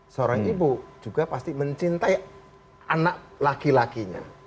seorang ibu juga pasti mencintai anak laki lakinya